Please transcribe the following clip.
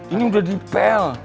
ini udah dipel